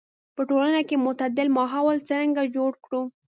په ټولنه کې معتدل ماحول څرنګه جوړ کړو.